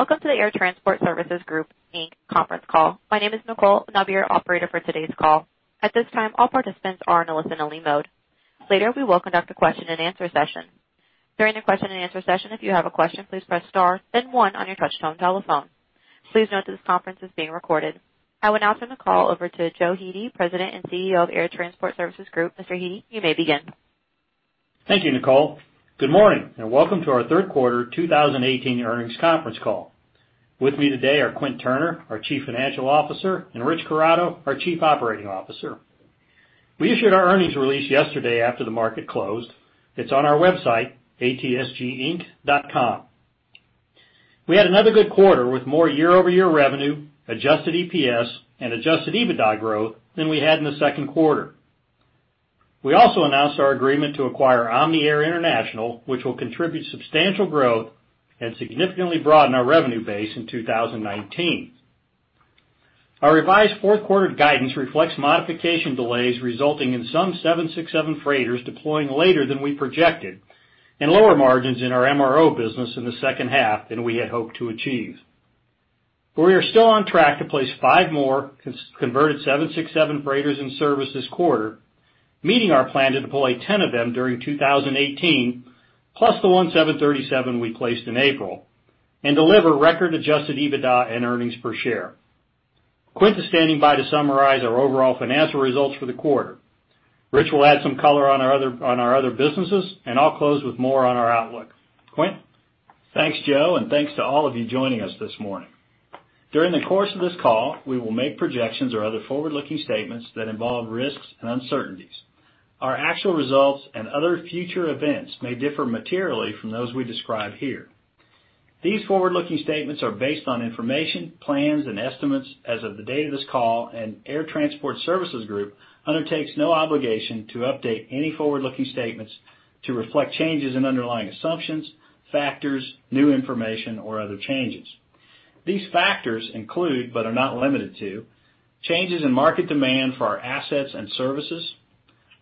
Welcome to the Air Transport Services Group Inc. conference call. My name is Nicole, and I'll be your operator for today's call. At this time, all participants are in a listen-only mode. Later, we will conduct a question and answer session. During the question and answer session, if you have a question, please press star then one on your touch-tone telephone. Please note this conference is being recorded. I will now turn the call over to Joe Hete, President and CEO of Air Transport Services Group. Mr. Hete, you may begin. Thank you, Nicole. Good morning, and welcome to our third quarter 2018 earnings conference call. With me today are Quint Turner, our Chief Financial Officer, and Rich Corrado, our Chief Operating Officer. We issued our earnings release yesterday after the market closed. It's on our website, atsginc.com. We had another good quarter with more year-over-year revenue, adjusted EPS, and adjusted EBITDA growth than we had in the second quarter. We also announced our agreement to acquire Omni Air International, which will contribute substantial growth and significantly broaden our revenue base in 2019. Our revised fourth quarter guidance reflects modification delays resulting in some 767 freighters deploying later than we projected, and lower margins in our MRO business in the second half than we had hoped to achieve. We are still on track to place five more converted 767 freighters in service this quarter, meeting our plan to deploy 10 of them during 2018, plus the 1 737 we placed in April, and deliver record adjusted EBITDA and earnings per share. Quint is standing by to summarize our overall financial results for the quarter. Rich will add some color on our other businesses, and I'll close with more on our outlook. Quint? Thanks, Joe, and thanks to all of you joining us this morning. During the course of this call, we will make projections or other forward-looking statements that involve risks and uncertainties. Our actual results and other future events may differ materially from those we describe here. These forward-looking statements are based on information, plans, and estimates as of the date of this call. Air Transport Services Group undertakes no obligation to update any forward-looking statements to reflect changes in underlying assumptions, factors, new information, or other changes. These factors include, but are not limited to, changes in market demand for our assets and services,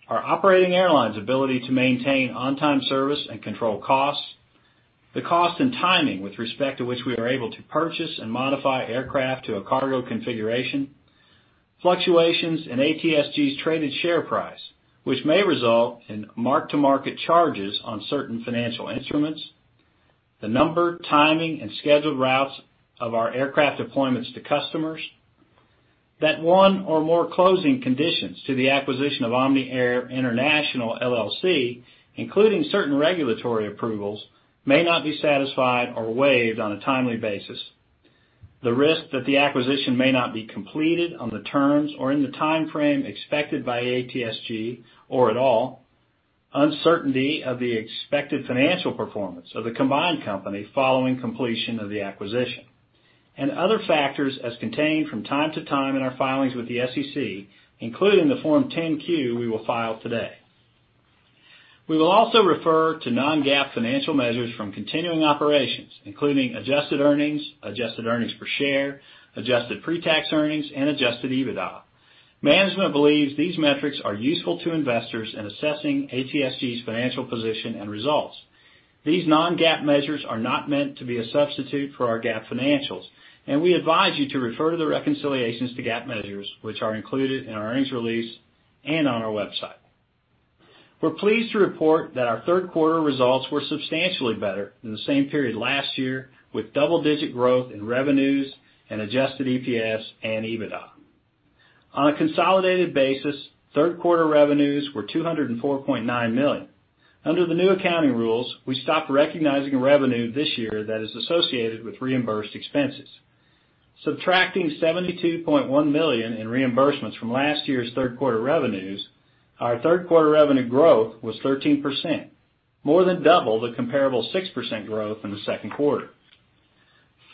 our operating airlines' ability to maintain on-time service and control costs, the cost and timing with respect to which we are able to purchase and modify aircraft to a cargo configuration, fluctuations in ATSG's traded share price, which may result in mark-to-market charges on certain financial instruments, the number, timing, and scheduled routes of our aircraft deployments to customers, that one or more closing conditions to the acquisition of Omni Air International, LLC, including certain regulatory approvals, may not be satisfied or waived on a timely basis, the risk that the acquisition may not be completed on the terms or in the timeframe expected by ATSG or at all, uncertainty of the expected financial performance of the combined company following completion of the acquisition, and other factors as contained from time to time in our filings with the SEC, including the Form 10-Q we will file today. We will also refer to non-GAAP financial measures from continuing operations, including adjusted earnings, adjusted earnings per share, adjusted pre-tax earnings, and adjusted EBITDA. Management believes these metrics are useful to investors in assessing ATSG's financial position and results. These non-GAAP measures are not meant to be a substitute for our GAAP financials, and we advise you to refer to the reconciliations to GAAP measures, which are included in our earnings release and on our website. We are pleased to report that our third quarter results were substantially better than the same period last year, with double-digit growth in revenues and adjusted EPS and EBITDA. On a consolidated basis, third quarter revenues were $204.9 million. Under the new accounting rules, we stopped recognizing revenue this year that is associated with reimbursed expenses. Subtracting $72.1 million in reimbursements from last year's third quarter revenues, our third quarter revenue growth was 13%, more than double the comparable 6% growth in the second quarter.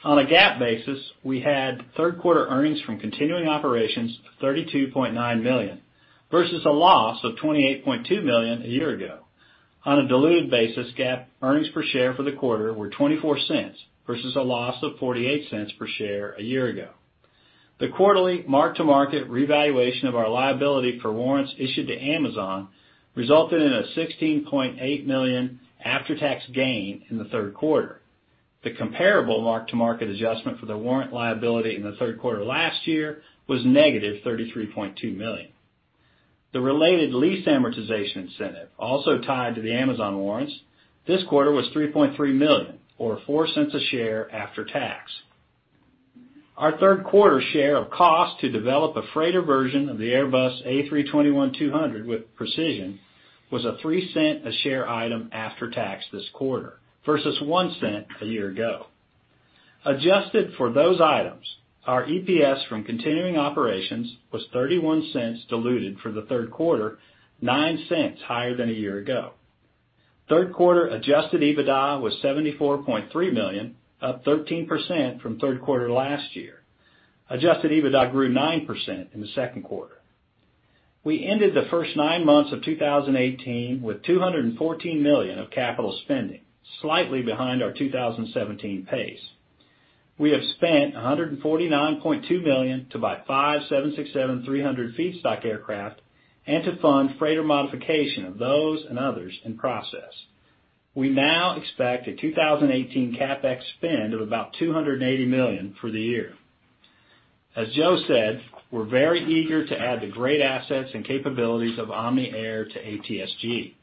On a GAAP basis, we had third quarter earnings from continuing operations of $32.9 million, versus a loss of $28.2 million a year ago. On a diluted basis, GAAP earnings per share for the quarter were $0.24 versus a loss of $0.48 per share a year ago. The quarterly mark-to-market revaluation of our liability for warrants issued to Amazon resulted in a $16.8 million after-tax gain in the third quarter. The comparable mark-to-market adjustment for the warrant liability in the third quarter last year was negative $33.2 million. The related lease amortization incentive, also tied to the Amazon warrants, this quarter was $3.3 million, or $0.04 a share after tax. Our third quarter share of cost to develop a freighter version of the Airbus A321-200 with Precision was a $0.03 a share item after tax this quarter, versus $0.01 a year ago. Adjusted for those items, our EPS from continuing operations was $0.31 diluted for the third quarter, $0.09 higher than a year ago. Third quarter adjusted EBITDA was $74.3 million, up 13% from third quarter last year. Adjusted EBITDA grew 9% in the second quarter. We ended the first nine months of 2018 with $214 million of capital spending, slightly behind our 2017 pace. We have spent $149.2 million to buy five 767-300 feedstock aircraft and to fund freighter modification of those and others in process. We now expect a 2018 CapEx spend of about $280 million for the year. As Joe said, we're very eager to add the great assets and capabilities of Omni Air to ATSG.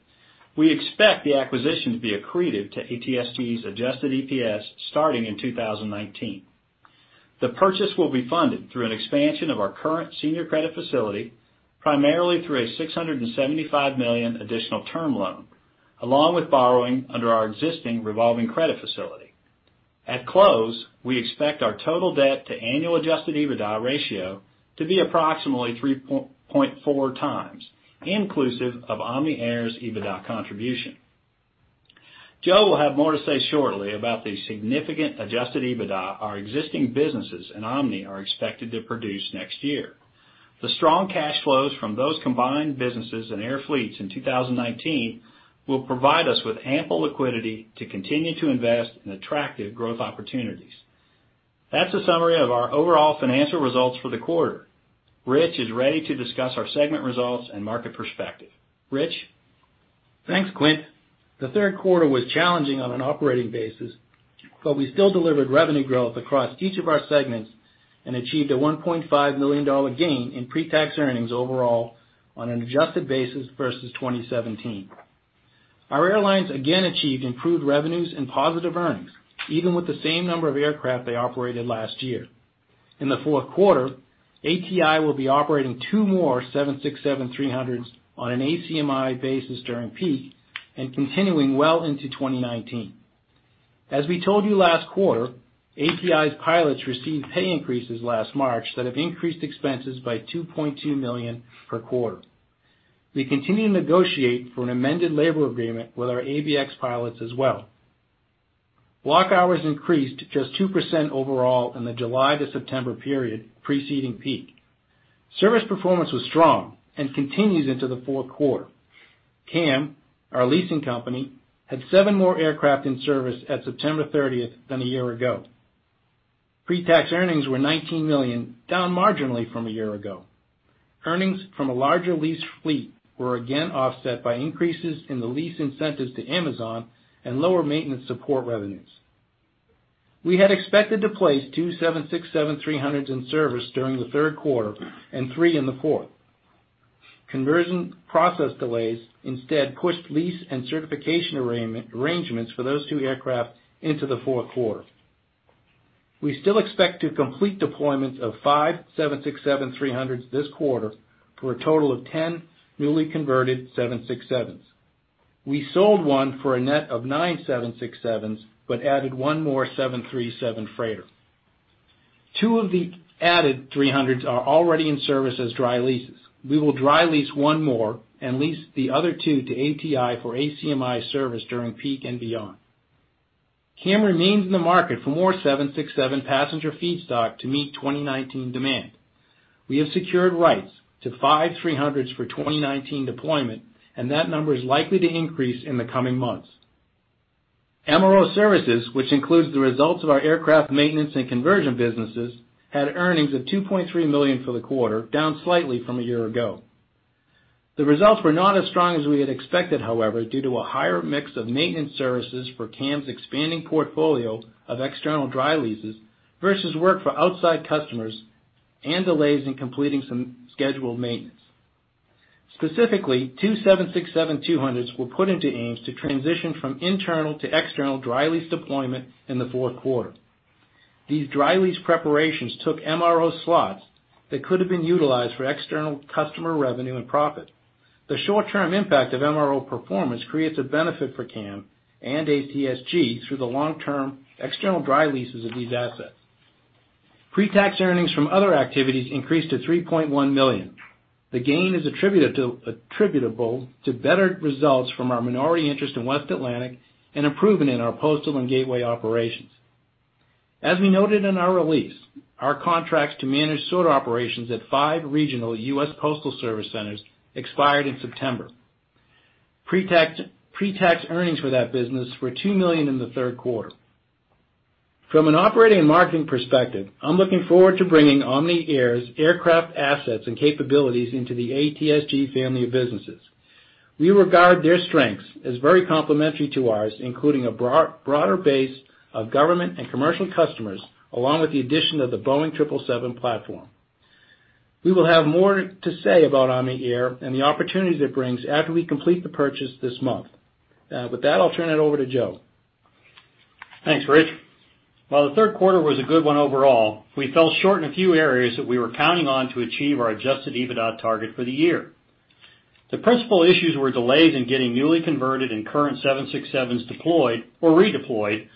We expect the acquisition to be accretive to ATSG's adjusted EPS starting in 2019. The purchase will be funded through an expansion of our current senior credit facility, primarily through a $675 million additional term loan, along with borrowing under our existing revolving credit facility. At close, we expect our total debt to annual adjusted EBITDA ratio to be approximately 3.4 times, inclusive of Omni Air's EBITDA contribution. Joe will have more to say shortly about the significant adjusted EBITDA our existing businesses and Omni are expected to produce next year. The strong cash flows from those combined businesses and air fleets in 2019 will provide us with ample liquidity to continue to invest in attractive growth opportunities. That's a summary of our overall financial results for the quarter. Rich is ready to discuss our segment results and market perspective. Rich? Thanks, Quint. The third quarter was challenging on an operating basis, but we still delivered revenue growth across each of our segments and achieved a $1.5 million gain in pre-tax earnings overall on an adjusted basis versus 2017. Our airlines again achieved improved revenues and positive earnings, even with the same number of aircraft they operated last year. In the fourth quarter, ATI will be operating two more 767-300s on an ACMI basis during peak and continuing well into 2019. As we told you last quarter, ATI's pilots received pay increases last March that have increased expenses by $2.2 million per quarter. We continue to negotiate for an amended labor agreement with our ABX pilots as well. Block hours increased just 2% overall in the July to September period preceding peak. Service performance was strong and continues into the fourth quarter. CAM, our leasing company, had seven more aircraft in service at September 30th than a year ago. Pre-tax earnings were $19 million, down marginally from a year ago. Earnings from a larger lease fleet were again offset by increases in the lease incentives to Amazon and lower maintenance support revenues. We had expected to place two 767-300s in service during the third quarter and three in the fourth. Conversion process delays instead pushed lease and certification arrangements for those two aircraft into the fourth quarter. We still expect to complete deployments of five 767-300s this quarter for a total of 10 newly converted 767s. We sold one for a net of nine 767s, but added one more 737 freighter. Two of the added 300s are already in service as dry leases. We will dry lease one more and lease the other two to ATI for ACMI service during peak and beyond. CAM remains in the market for more 767 passenger feedstock to meet 2019 demand. We have secured rights to five 300s for 2019 deployment, and that number is likely to increase in the coming months. MRO Services, which includes the results of our aircraft maintenance and conversion businesses, had earnings of $2.3 million for the quarter, down slightly from a year ago. The results were not as strong as we had expected, however, due to a higher mix of maintenance services for CAM's expanding portfolio of external dry leases versus work for outside customers and delays in completing some scheduled maintenance. Specifically, two 767-200s were put into Amazon to transition from internal to external dry lease deployment in the fourth quarter. These dry lease preparations took MRO slots that could have been utilized for external customer revenue and profit. The short-term impact of MRO performance creates a benefit for CAM and ATSG through the long-term external dry leases of these assets. Pre-tax earnings from other activities increased to $3.1 million. The gain is attributable to better results from our minority interest in West Atlantic and improvement in our postal and gateway operations. As we noted in our release, our contracts to manage sort operations at five regional U.S. Postal Service centers expired in September. Pre-tax earnings for that business were $2 million in the third quarter. From an operating and marketing perspective, I'm looking forward to bringing Omni Air's aircraft assets and capabilities into the ATSG family of businesses. We regard their strengths as very complementary to ours, including a broader base of government and commercial customers, along with the addition of the Boeing 777 platform. We will have more to say about Omni Air and the opportunities it brings after we complete the purchase this month. With that, I'll turn it over to Joe. Thanks, Rich. While the third quarter was a good one overall, we fell short in a few areas that we were counting on to achieve our adjusted EBITDA target for the year. The principal issues were delays in getting newly converted and current 767s deployed or redeployed,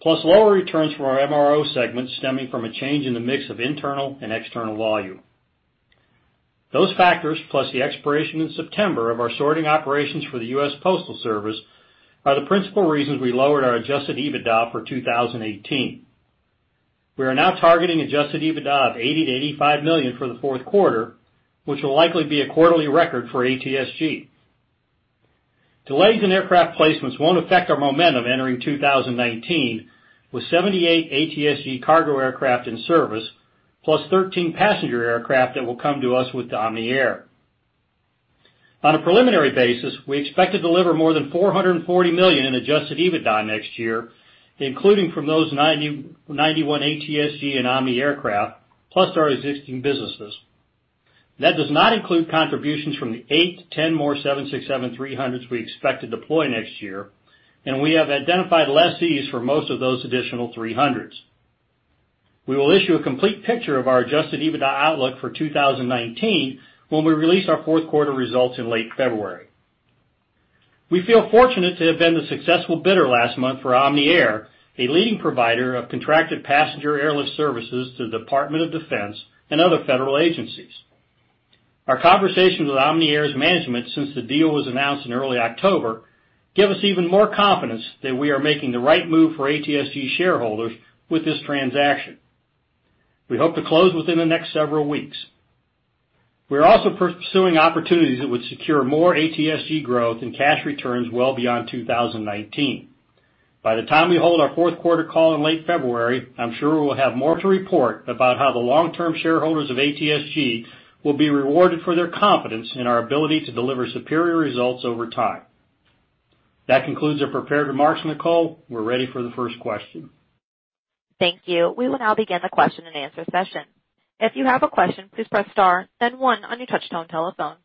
plus lower returns for our MRO segment stemming from a change in the mix of internal and external volume. Those factors, plus the expiration in September of our sorting operations for the U.S. Postal Service, are the principal reasons we lowered our adjusted EBITDA for 2018. We are now targeting adjusted EBITDA of $80 million-$85 million for the fourth quarter, which will likely be a quarterly record for ATSG. Delays in aircraft placements won't affect our momentum entering 2019 with 78 ATSG cargo aircraft in service, plus 13 passenger aircraft that will come to us with Omni Air. On a preliminary basis, we expect to deliver more than $440 million in adjusted EBITDA next year, including from those 91 ATSG and Omni Air craft, plus our existing businesses. That does not include contributions from the eight to 10 more 767-300s we expect to deploy next year, and we have identified lessees for most of those additional 300s. We will issue a complete picture of our adjusted EBITDA outlook for 2019 when we release our fourth quarter results in late February. We feel fortunate to have been the successful bidder last month for Omni Air, a leading provider of contracted passenger airlift services to the Department of Defense and other federal agencies. Our conversations with Omni Air's management since the deal was announced in early October give us even more confidence that we are making the right move for ATSG shareholders with this transaction. We hope to close within the next several weeks. We are also pursuing opportunities that would secure more ATSG growth and cash returns well beyond 2019. By the time we hold our fourth quarter call in late February, I'm sure we'll have more to report about how the long-term shareholders of ATSG will be rewarded for their confidence in our ability to deliver superior results over time. That concludes our prepared remarks, Nicole. We're ready for the first question. Thank you. We will now begin the question and answer session. If you have a question, please press star then one on your touchtone telephone.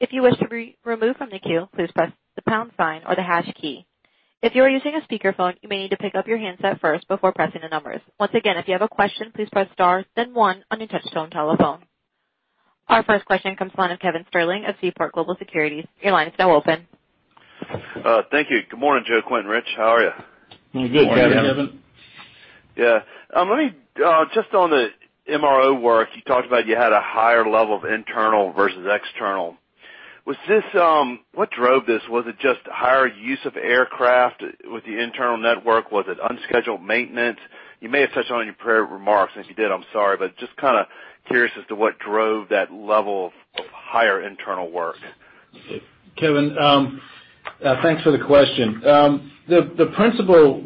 If you wish to be removed from the queue, please press the pound sign or the hash key. If you are using a speakerphone, you may need to pick up your handset first before pressing the numbers. Once again, if you have a question, please press star then one on your touchtone telephone. Our first question comes from the line of Kevin Sterling of Seaport Global Securities. Your line is now open. Thank you. Good morning, Joe, Quint and Rich. How are you? Good. Kevin. Good morning, Kevin. Just on the MRO work, you talked about you had a higher level of internal versus external. What drove this? Was it just higher use of aircraft with the internal network? Was it unscheduled maintenance? You may have touched on it in your prepared remarks, and if you did, I'm sorry, but just kind of curious as to what drove that level of higher internal work. Kevin, thanks for the question. The principal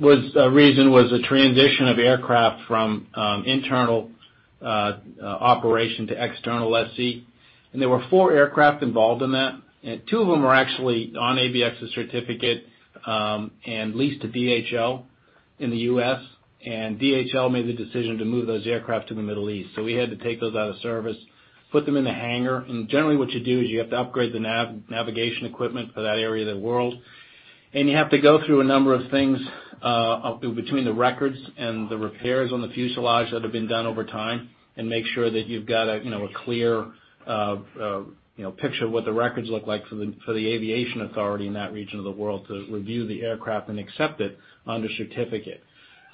reason was the transition of aircraft from internal operation to external lessee. There were 4 aircraft involved in that, and 2 of them were actually on ABX's certificate, and leased to DHL in the U.S., and DHL made the decision to move those aircraft to the Middle East. We had to take those out of service, put them in the hangar, and generally what you do is you have to upgrade the navigation equipment for that area of the world, and you have to go through a number of things, between the records and the repairs on the fuselage that have been done over time, and make sure that you've got a clear picture of what the records look like for the aviation authority in that region of the world to review the aircraft and accept it under certificate.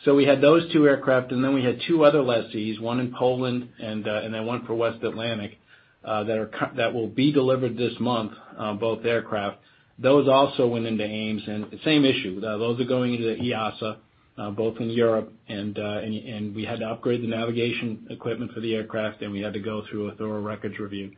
We had those two aircraft, we had two other lessees, one in Poland, one for West Atlantic, that will be delivered this month, both aircraft. Those also went into AMES and same issue. Those are going into EASA, both in Europe and we had to upgrade the navigation equipment for the aircraft, and we had to go through a thorough records review.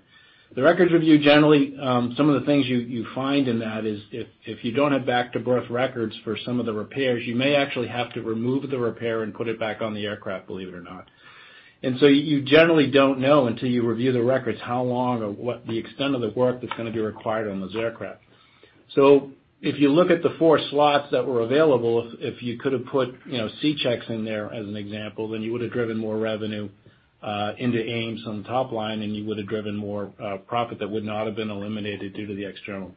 The records review, generally, some of the things you find in that is if you don't have back to birth records for some of the repairs, you may actually have to remove the repair and put it back on the aircraft, believe it or not. You generally don't know until you review the records, how long or what the extent of the work that's going to be required on those aircraft. If you look at the four slots that were available, if you could have put C checks in there, as an example, then you would have driven more revenue into AMES on the top line, and you would have driven more profit that would not have been eliminated due to the external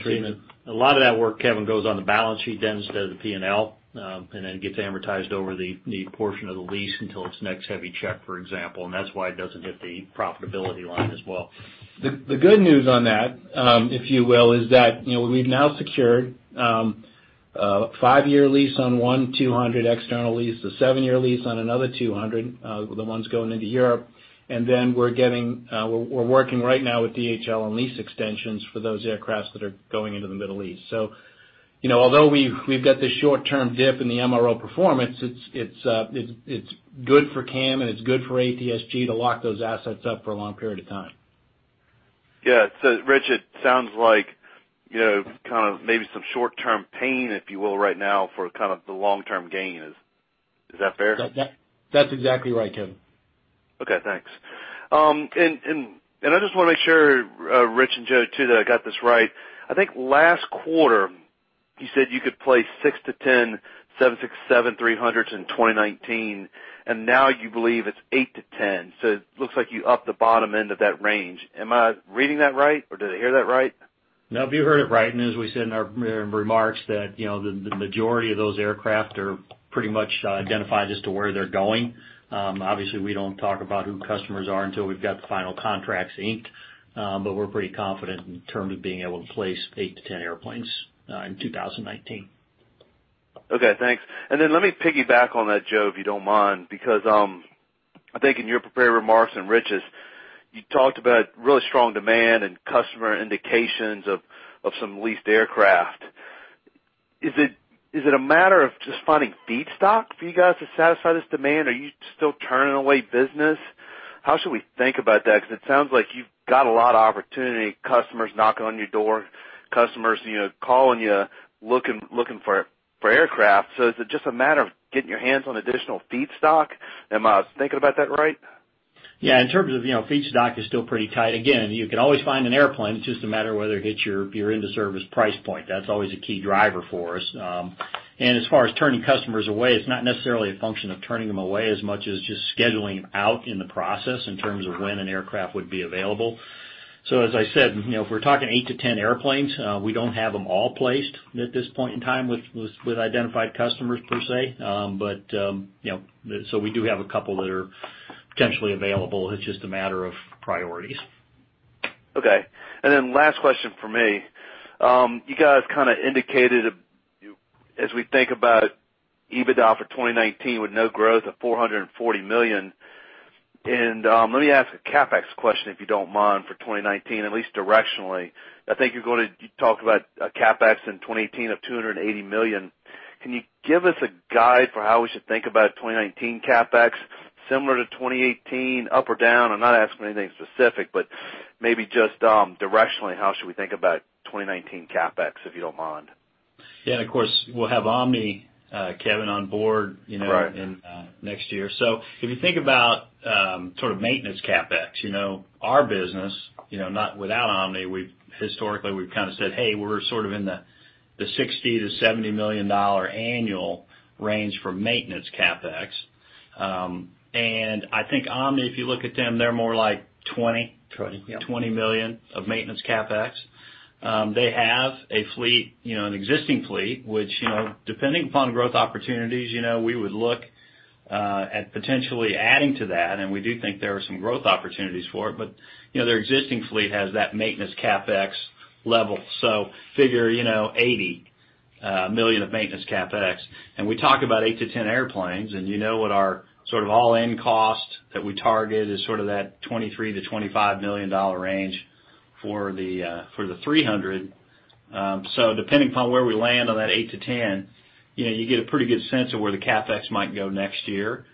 treatment. A lot of that work, Kevin, goes on the balance sheet then instead of the P&L, and then gets amortized over the portion of the lease until its next heavy check, for example. That's why it doesn't hit the profitability line as well. The good news on that, if you will, is that, we've now secured a five-year lease on one 200 external lease, a seven-year lease on another 200, the ones going into Europe. We're working right now with DHL on lease extensions for those aircraft that are going into the Middle East. Although we've got this short-term dip in the MRO performance, it's good for CAM and it's good for ATSG to lock those assets up for a long period of time. Yeah. Rich, it sounds like maybe some short-term pain, if you will, right now for the long-term gain. Is that fair? That's exactly right, Kevin. Okay, thanks. I just want to make sure, Rich and Joe too, that I got this right. I think last quarter you said you could place 6-10 767-300s in 2019, and now you believe it's 8-10. It looks like you upped the bottom end of that range. Am I reading that right, or did I hear that right? No, you heard it right. As we said in our remarks that the majority of those aircraft are pretty much identified as to where they're going. Obviously, we don't talk about who customers are until we've got the final contracts inked. We're pretty confident in terms of being able to place 8-10 airplanes in 2019. Okay, thanks. Let me piggyback on that, Joe, if you don't mind, because I think in your prepared remarks and Rich's, you talked about really strong demand and customer indications of some leased aircraft. Is it a matter of just finding feedstock for you guys to satisfy this demand? Are you still turning away business? How should we think about that? Because it sounds like you've got a lot of opportunity, customers knocking on your door, customers calling you, looking for aircraft. Is it just a matter of getting your hands on additional feedstock? Am I thinking about that right? Yeah. In terms of feedstock is still pretty tight. Again, you can always find an airplane. It's just a matter of whether it hits your into service price point. That's always a key driver for us. As far as turning customers away, it's not necessarily a function of turning them away as much as just scheduling out in the process in terms of when an aircraft would be available. As I said, if we're talking 8 to 10 airplanes, we don't have them all placed at this point in time with identified customers per se. We do have a couple that are potentially available. It's just a matter of priorities. Okay. Last question from me. You guys kind of indicated as we think about EBITDA for 2019 with no growth of $440 million. Let me ask a CapEx question, if you don't mind, for 2019, at least directionally. I think you talked about a CapEx in 2018 of $280 million. Can you give us a guide for how we should think about 2019 CapEx similar to 2018, up or down? I'm not asking anything specific, but maybe just directionally, how should we think about 2019 CapEx, if you don't mind? Yeah, of course, we'll have Omni, Kevin, on board. Right next year. If you think about sort of maintenance CapEx. Our business, without Omni, historically we've kind of said, "Hey, we're sort of in the $60 million-$70 million annual range for maintenance CapEx." I think Omni, if you look at them, they're more like $20 million. $20 million, yep. $20 million of maintenance CapEx. They have an existing fleet, which depending upon growth opportunities, we would look at potentially adding to that, and we do think there are some growth opportunities for it. Their existing fleet has that maintenance CapEx level. Figure $80 million of maintenance CapEx. We talk about 8-10 airplanes, and you know what our sort of all-in cost that we target is sort of that $23 million-$25 million range for the 300. Depending upon where we land on that 8-10, you get a pretty good sense of where the CapEx might go next year.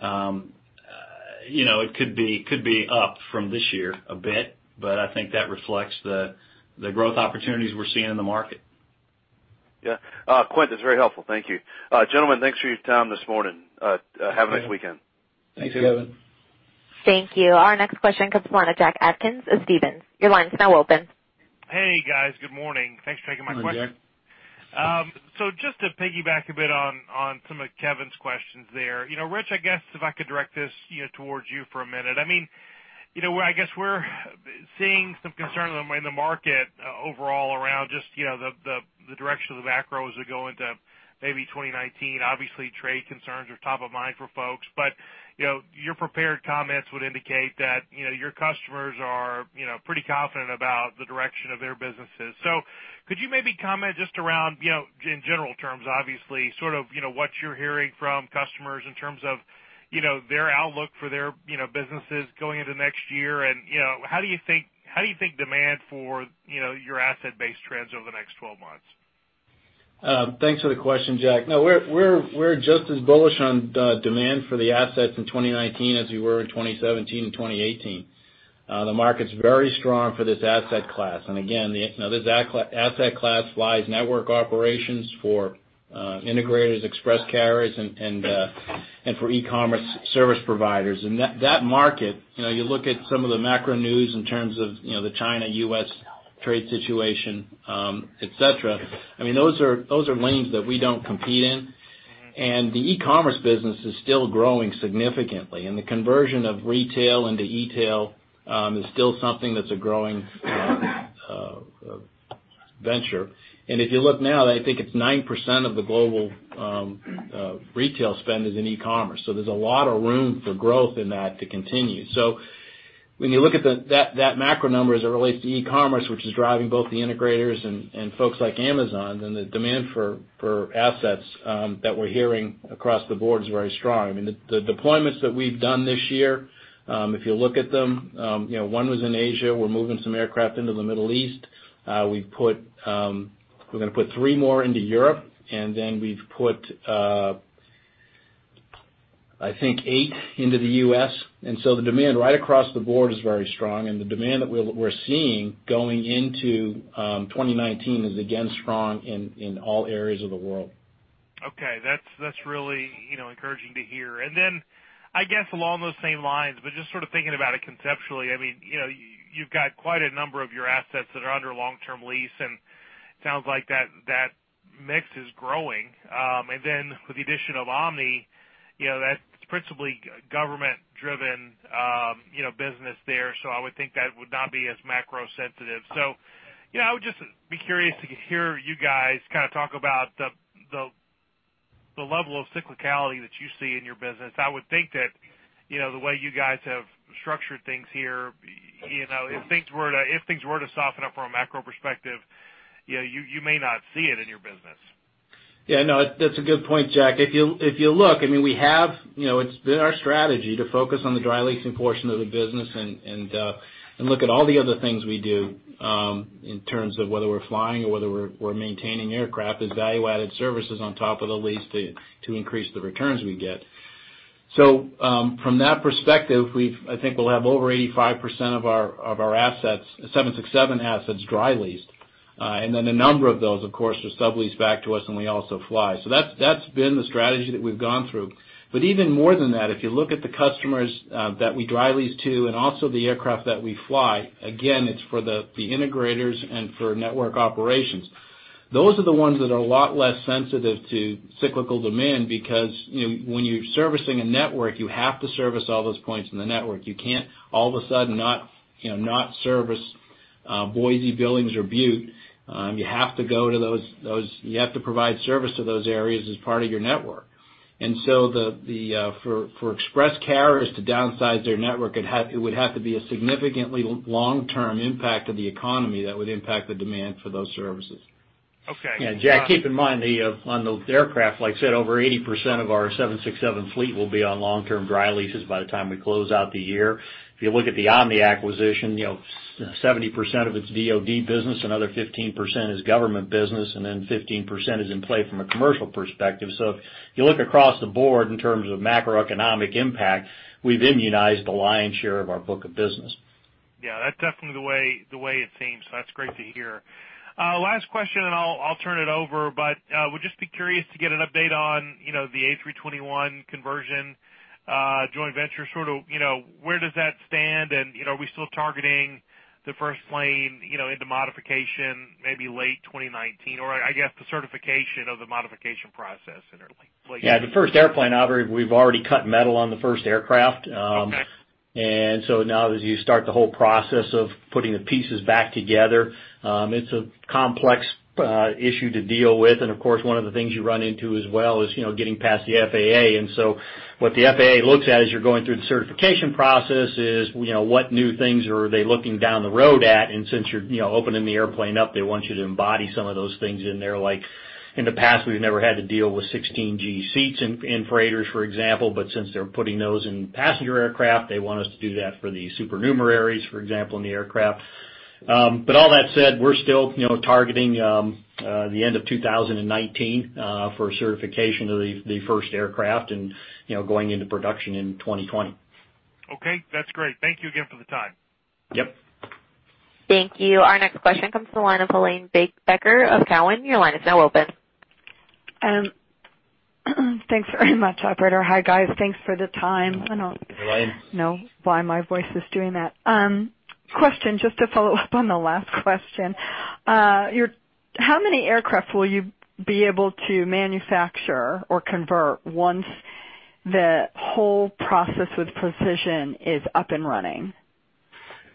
It could be up from this year a bit, but I think that reflects the growth opportunities we're seeing in the market. Yeah. Quint, that's very helpful. Thank you. Gentlemen, thanks for your time this morning. Have a nice weekend. Thank you. Thanks, Kevin. Thank you. Our next question comes from Jack Atkins of Stephens. Your line is now open. Hey, guys. Good morning. Thanks for taking my question. Hi, Jack. Just to piggyback a bit on some of Kevin's questions there. Rich, I guess if I could direct this towards you for a minute. I guess we're seeing some concern in the market overall around just the direction of the macro as we go into maybe 2019. Obviously, trade concerns are top of mind for folks. Your prepared comments would indicate that your customers are pretty confident about the direction of their businesses. Could you maybe comment just around, in general terms, obviously, sort of what you're hearing from customers in terms of their outlook for their businesses going into next year? How do you think demand for your asset base trends over the next 12 months? Thanks for the question, Jack. We're just as bullish on demand for the assets in 2019 as we were in 2017 and 2018. The market's very strong for this asset class. This asset class flies network operations for integrators, express carriers, and for e-commerce service providers. That market, you look at some of the macro news in terms of the China-U.S. trade situation, et cetera. Those are lanes that we don't compete in. The e-commerce business is still growing significantly, and the conversion of retail into e-tail is still something that's a growing venture. If you look now, I think it's 9% of the global retail spend is in e-commerce. There's a lot of room for growth in that to continue. When you look at that macro number as it relates to e-commerce, which is driving both the integrators and folks like Amazon, then the demand for assets that we're hearing across the board is very strong. The deployments that we've done this year, if you look at them, one was in Asia. We're moving some aircraft into the Middle East. We're going to put three more into Europe, then we've put, I think, eight into the U.S. The demand right across the board is very strong, the demand that we're seeing going into 2019 is again strong in all areas of the world. Okay. That's really encouraging to hear. I guess along those same lines, just sort of thinking about it conceptually. You've got quite a number of your assets that are under long-term lease, and sounds like that mix is growing. With the addition of Omni, that's principally government-driven business there. I would think that would not be as macro sensitive. I would just be curious to hear you guys kind of talk about the level of cyclicality that you see in your business. I would think that the way you guys have structured things here, if things were to soften up from a macro perspective, you may not see it in your business. Yeah, no, that's a good point, Jack. If you look, it's been our strategy to focus on the dry leasing portion of the business and look at all the other things we do, in terms of whether we're flying or whether we're maintaining aircraft as value-added services on top of the lease to increase the returns we get. From that perspective, I think we'll have over 85% of our 767 assets dry leased. A number of those, of course, are subleased back to us and we also fly. That's been the strategy that we've gone through. Even more than that, if you look at the customers that we dry lease to and also the aircraft that we fly, again, it's for the integrators and for network operations. Those are the ones that are a lot less sensitive to cyclical demand because when you're servicing a network, you have to service all those points in the network. You can't all of a sudden not service Boise, Billings, or Butte. You have to provide service to those areas as part of your network. For express carriers to downsize their network, it would have to be a significantly long-term impact on the economy that would impact the demand for those services. Okay. Yeah, Jack, keep in mind on those aircraft, like I said, over 80% of our 767 fleet will be on long-term dry leases by the time we close out the year. If you look at the Omni acquisition, 70% of its DoD business, another 15% is government business, and 15% is in play from a commercial perspective. If you look across the board in terms of macroeconomic impact, we've immunized the lion's share of our book of business. Yeah, that's definitely the way it seems. That's great to hear. Last question and I'll turn it over, would just be curious to get an update on the A321 conversion joint venture. Where does that stand? Are we still targeting the first plane into modification maybe late 2019? Or I guess the certification of the modification process? Yeah, the first airplane, we've already cut metal on the first aircraft. Okay. Now as you start the whole process of putting the pieces back together, it's a complex issue to deal with. Of course, one of the things you run into as well is getting past the FAA. What the FAA looks at as you're going through the certification process is, what new things are they looking down the road at? Since you're opening the airplane up, they want you to embody some of those things in there. Like in the past, we've never had to deal with 16G seats in freighters, for example, but since they're putting those in passenger aircraft, they want us to do that for the supernumeraries, for example, in the aircraft. All that said, we're still targeting the end of 2019, for certification of the first aircraft and going into production in 2020. Okay, that's great. Thank you again for the time. Yep. Thank you. Our next question comes from the line of Helane Becker of Cowen. Your line is now open. Thanks very much, operator. Hi, guys. Thanks for the time. Helane. I don't know why my voice is doing that. Question, just to follow up on the last question. How many aircraft will you be able to manufacture or convert once the whole process with Precision is up and running?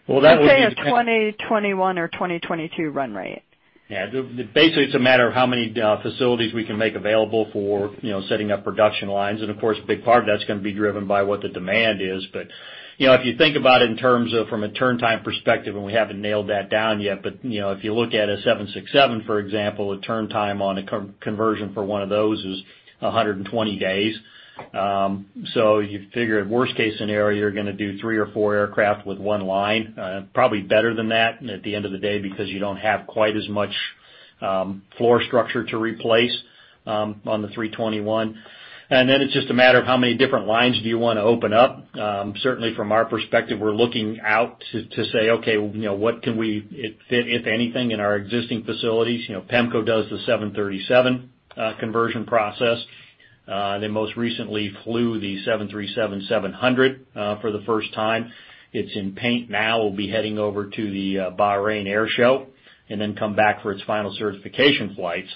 Well, that would- Let's say a 2021 or 2022 run rate. Yeah. Basically, it's a matter of how many facilities we can make available for setting up production lines. Of course, a big part of that's going to be driven by what the demand is. If you think about it in terms of from a turn time perspective, and we haven't nailed that down yet, but if you look at a 767, for example, a turn time on a conversion for one of those is 120 days. You figure worst case scenario, you're going to do three or four aircraft with one line. Probably better than that at the end of the day because you don't have quite as much floor structure to replace on the 321. It's just a matter of how many different lines do you want to open up. Certainly from our perspective, we're looking out to say, "Okay, what can we fit, if anything, in our existing facilities?" PEMCO does the 737 conversion process. They most recently flew the 737-700 for the first time. It's in paint now. We'll be heading over to the Bahrain Air Show and then come back for its final certification flights.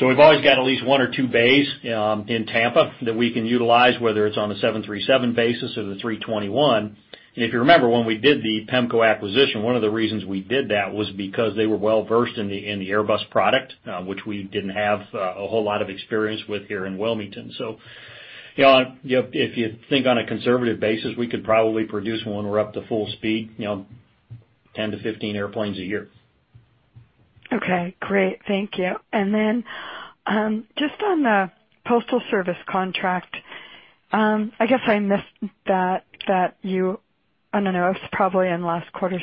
We've always got at least one or two bays in Tampa that we can utilize, whether it's on a 737 basis or the 321. If you remember, when we did the PEMCO acquisition, one of the reasons we did that was because they were well-versed in the Airbus product, which we didn't have a whole lot of experience with here in Wilmington. If you think on a conservative basis, we could probably produce when we're up to full speed, 10 to 15 airplanes a year. Okay, great. Thank you. Just on the Postal Service contract, I guess I missed that. I don't know, it was probably in last quarter's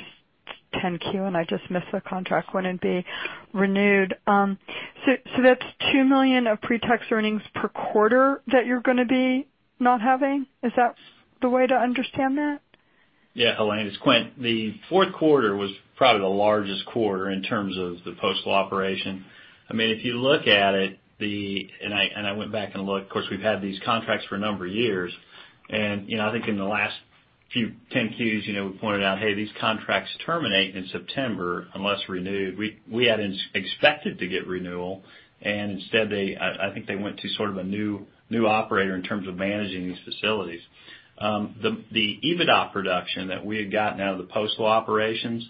10-Q and I just missed the contract wouldn't be renewed. That's $2 million of pre-tax earnings per quarter that you're going to be not having? Is that the way to understand that? Helane, it's Quint. The fourth quarter was probably the largest quarter in terms of the postal operation. If you look at it, I went back and looked, of course, we've had these contracts for a number of years, I think in the last few 10-Qs, we pointed out, "Hey, these contracts terminate in September unless renewed." We had expected to get renewal, instead, I think they went to sort of a new operator in terms of managing these facilities. The EBITDA production that we had gotten out of the postal operations,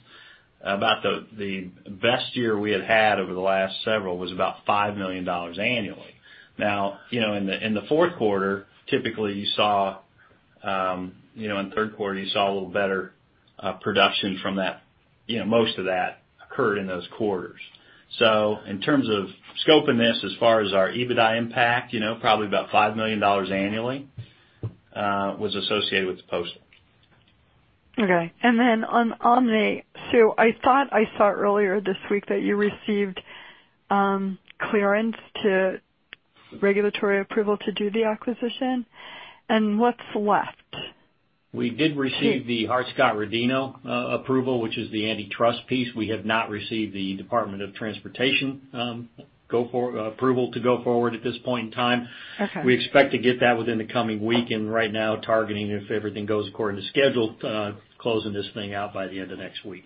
about the best year we had had over the last several was about $5 million annually. In the fourth quarter, typically you saw In third quarter, you saw a little better production from that. Most of that occurred in those quarters. In terms of scoping this, as far as our EBITDA impact, probably about $5 million annually was associated with the postal. Okay. Then on Omni. I thought I saw earlier this week that you received clearance to regulatory approval to do the acquisition. What's left? We did receive the Hart-Scott-Rodino approval, which is the antitrust piece. We have not received the Department of Transportation approval to go forward at this point in time. Okay. We expect to get that within the coming week. Right now targeting, if everything goes according to schedule, closing this thing out by the end of next week.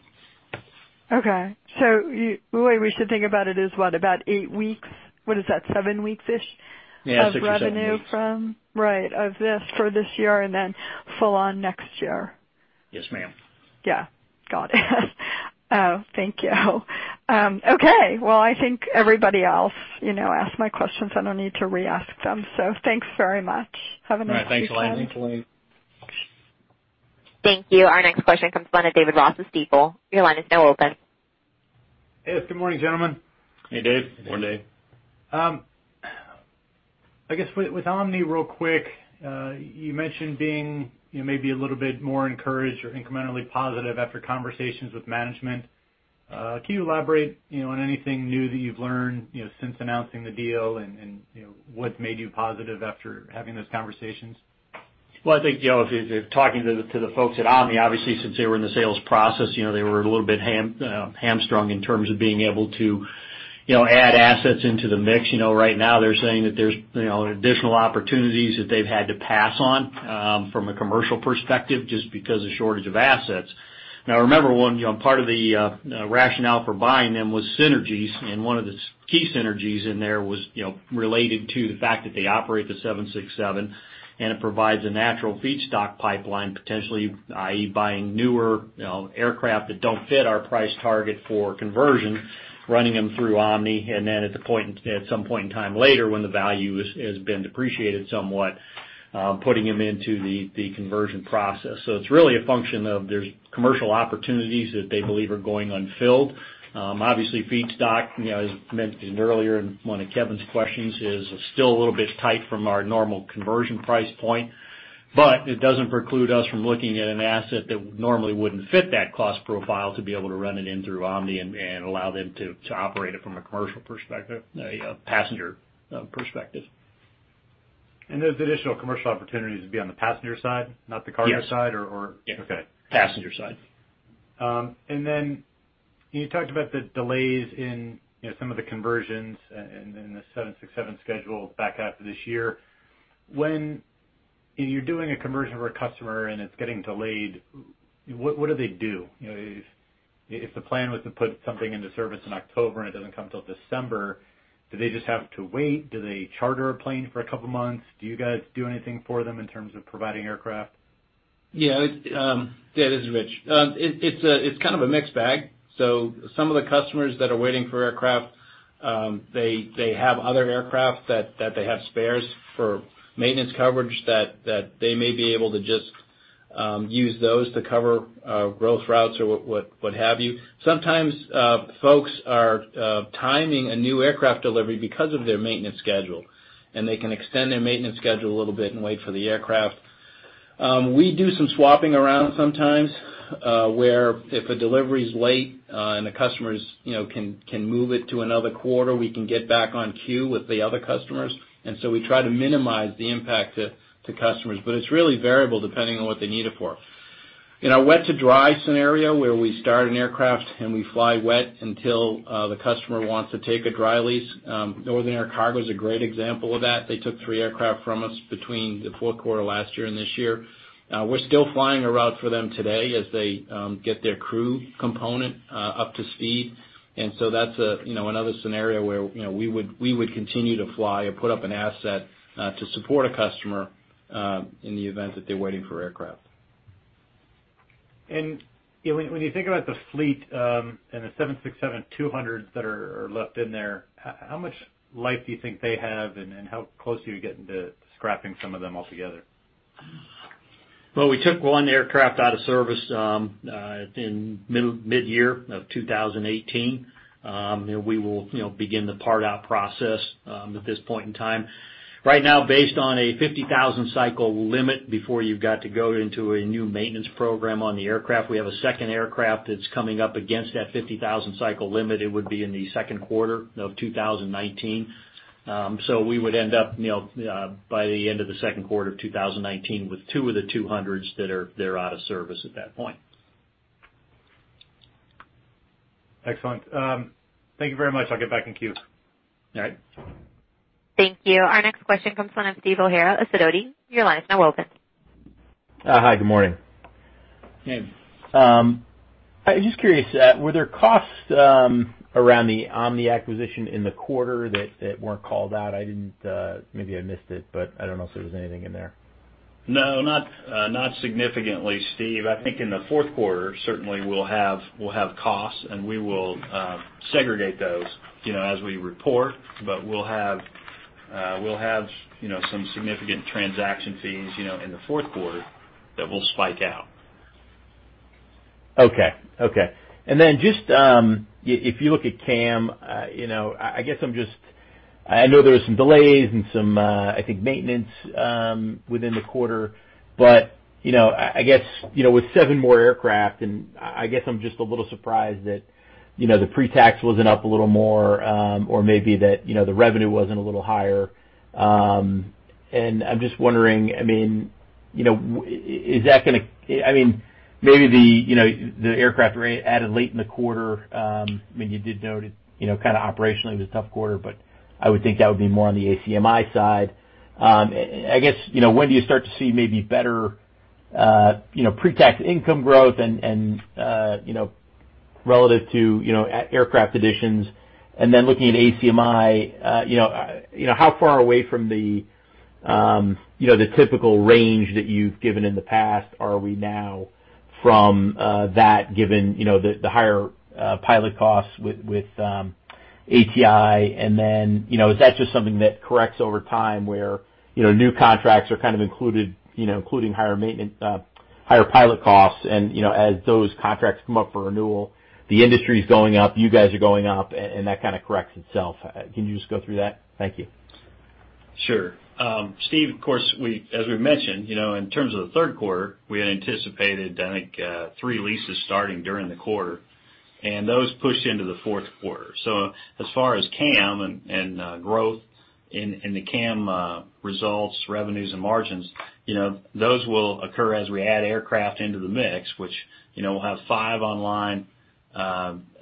Okay. The way we should think about it is what? About eight weeks? What is that? Seven weeks-ish? Yeah, six or seven weeks of revenue from? Right. Of this for this year, and then full on next year. Yes, ma'am. Yeah. Got it. Oh, thank you. Okay. Well, I think everybody else asked my questions. I don't need to re-ask them. Thanks very much. Have a nice weekend. All right. Thanks, Helane. Thank you. Our next question comes from the line of David Ross of Stifel. Your line is now open. Yes, good morning, gentlemen. Hey, Dave. Good morning, Dave. I guess with Omni real quick, you mentioned being maybe a little bit more encouraged or incrementally positive after conversations with management. Can you elaborate on anything new that you've learned since announcing the deal, and what made you positive after having those conversations? I think, talking to the folks at Omni, obviously since they were in the sales process, they were a little bit hamstrung in terms of being able to add assets into the mix. They're saying that there's additional opportunities that they've had to pass on from a commercial perspective just because of shortage of assets. Remember, part of the rationale for buying them was synergies, and one of the key synergies in there was related to the fact that they operate the 767, and it provides a natural feedstock pipeline potentially, i.e., buying newer aircraft that don't fit our price target for conversion, running them through Omni, and then at some point in time later, when the value has been depreciated somewhat, putting them into the conversion process. It's really a function of there's commercial opportunities that they believe are going unfilled. Obviously, feedstock, as mentioned earlier in one of Kevin's questions, is still a little bit tight from our normal conversion price point. It doesn't preclude us from looking at an asset that normally wouldn't fit that cost profile to be able to run it in through Omni and allow them to operate it from a commercial perspective, a passenger perspective. Those additional commercial opportunities would be on the passenger side, not the cargo side? Yes. Okay. Passenger side. You talked about the delays in some of the conversions and the 767 schedule back half of this year. When you're doing a conversion for a customer and it's getting delayed, what do they do? If the plan was to put something into service in October and it doesn't come till December, do they just have to wait? Do they charter a plane for a couple of months? Do you guys do anything for them in terms of providing aircraft? Yeah. This is Rich. It's kind of a mixed bag. Some of the customers that are waiting for aircraft, they have other aircraft that they have spares for maintenance coverage that they may be able to just use those to cover growth routes or what have you. Sometimes folks are timing a new aircraft delivery because of their maintenance schedule, and they can extend their maintenance schedule a little bit and wait for the aircraft. We do some swapping around sometimes, where if a delivery is late and the customers can move it to another quarter, we can get back on queue with the other customers. We try to minimize the impact to customers. It's really variable depending on what they need it for. In a wet to dry scenario where we start an aircraft and we fly wet until the customer wants to take a dry lease. Northern Air Cargo is a great example of that. They took three aircraft from us between the fourth quarter last year and this year. We're still flying a route for them today as they get their crew component up to speed. That's another scenario where we would continue to fly or put up an asset to support a customer in the event that they're waiting for aircraft. When you think about the fleet and the 767-200s that are left in there, how much life do you think they have, and how close are you getting to scrapping some of them altogether? Well, we took one aircraft out of service in mid-year of 2018. We will begin the part-out process at this point in time. Right now, based on a 50,000-cycle limit before you've got to go into a new maintenance program on the aircraft, we have a second aircraft that's coming up against that 50,000-cycle limit. It would be in the second quarter of 2019. We would end up by the end of the second quarter of 2019 with two of the 200s that are out of service at that point. Excellent. Thank you very much. I'll get back in queue. All right. Thank you. Our next question comes from the line of Stephen O'Hara of Sidoti. Your line is now open. Hi, good morning. Hey. I was just curious, were there costs around the Omni acquisition in the quarter that weren't called out? Maybe I missed it, but I don't know if there was anything in there. No, not significantly, Steve. I think in the fourth quarter, certainly, we'll have costs, and we will segregate those as we report. We'll have some significant transaction fees in the fourth quarter that will spike out. Okay. Then just, if you look at CAM, I know there was some delays and some, I think, maintenance within the quarter. I guess, with seven more aircraft, and I guess I'm just a little surprised that the pre-tax wasn't up a little more, or maybe that the revenue wasn't a little higher. I'm just wondering, maybe the aircraft added late in the quarter, maybe you did note it, kind of operationally it was a tough quarter, but I would think that would be more on the ACMI side. I guess, when do you start to see maybe better pre-tax income growth and relative to aircraft additions? Looking at ACMI, how far away from the typical range that you've given in the past are we now from that, given the higher pilot costs with ATI, and then, is that just something that corrects over time where new contracts are kind of including higher pilot costs and as those contracts come up for renewal, the industry's going up, you guys are going up, and that kind of corrects itself. Can you just go through that? Thank you. Sure. Steve, of course, as we mentioned, in terms of the third quarter, we had anticipated, I think, three leases starting during the quarter, and those pushed into the fourth quarter. As far as CAM and growth in the CAM results, revenues and margins, those will occur as we add aircraft into the mix, which we'll have five online,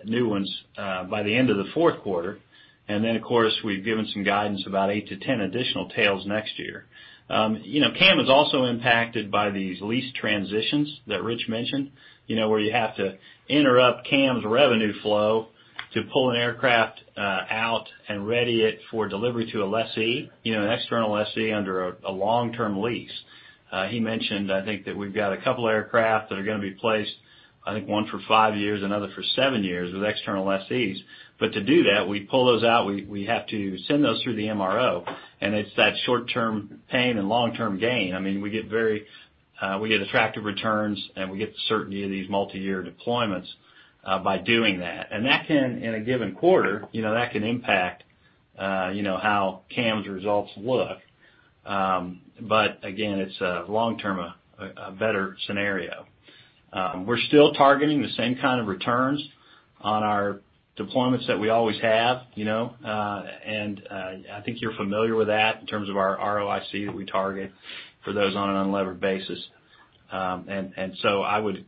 new ones, by the end of the fourth quarter. Then, of course, we've given some guidance about 8-10 additional tails next year. CAM is also impacted by these lease transitions that Rich mentioned, where you have to interrupt CAM's revenue flow to pull an aircraft out and ready it for delivery to a lessee, an external lessee under a long-term lease. He mentioned, I think, that we've got a couple aircraft that are going to be placed, I think one for five years, another for seven years with external lessees. To do that, we pull those out, we have to send those through the MRO, and it's that short-term pain and long-term gain. We get attractive returns, and we get the certainty of these multi-year deployments by doing that. That can, in a given quarter, that can impact how CAM's results look. Again, it's a long-term, a better scenario. We're still targeting the same kind of returns on our deployments that we always have. I think you're familiar with that in terms of our ROIC that we target for those on an unlevered basis. So I would